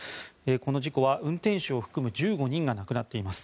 この事故は運転手を含む１５人が亡くなっています。